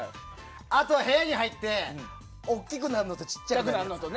あとは、部屋に入って大きくなるのと小さくなるの。